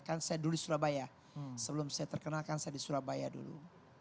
kan saya dulu di surabaya sebelum saya terkenalkan saya di surabaya dulu